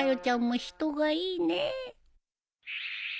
ちゃんも人がいいねえ